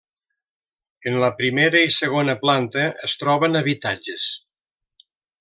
En la primera i segona planta es troben habitatges.